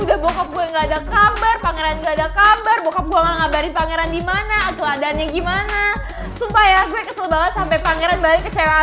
udah bokap gue gak ada kabar pangeran gak ada kabar